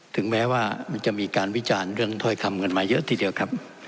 ถึงแม้ว่ามันจะมีการวิจารณ์เรื่องถ้อยคำกันมาเยอะทีเดียวครับ